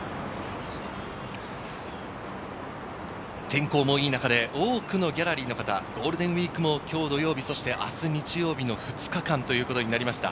天候もいい中で多くのギャラリーの方、ゴールデンウイークの今日土曜日、そして明日・日曜日の２日間ということになりました。